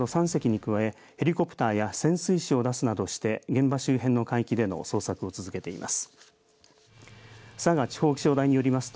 海上保安部では巡視船など３隻に加えヘリコプターや潜水士を出すなどして現場周辺の海域での捜索を続けています。